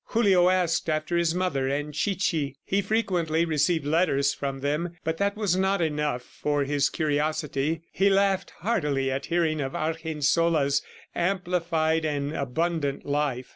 Julio asked after his mother and Chichi. He frequently received letters from them, but that was not enough for his curiosity. He laughed heartily at hearing of Argensola's amplified and abundant life.